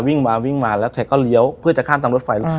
วิ่งมาแล้วแค่ก็เลี้ยวเพื่อจะข้ามตรงรถไฟ